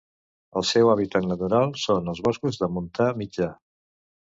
El seu hàbitat natural són els boscos de montà mitjà.